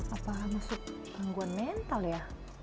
apa masuk gangguan mental ya